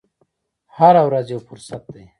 هره ورځ یو فرصت دی.